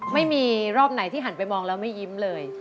ไม่มีรอบไหนที่หันไปมองแล้วไม่ยิ้มเลย